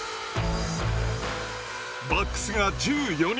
バックスが１４人。